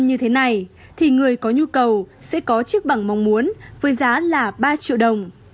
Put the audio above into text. như thế này thì người có nhu cầu sẽ có chiếc bằng mong muốn với giá là ba triệu đồng